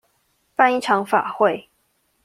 辦一場法會